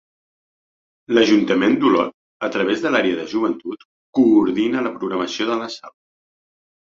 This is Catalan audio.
L'Ajuntament d'Olot, a través de l'àrea de Joventut, coordina la programació de la sala.